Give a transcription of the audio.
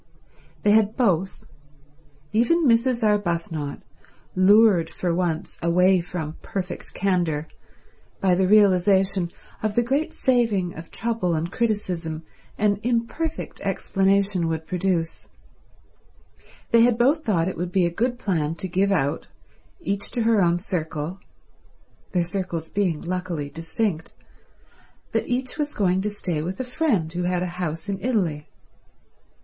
They had both—even Mrs. Arbuthnot, lured for once away from perfect candour by the realization of the great saving of trouble and criticism an imperfect explanation would produce—they had both thought it would be a good plan to give out, each to her own circle, their circles being luckily distinct, that each was going to stay with a friend who had a house in Italy.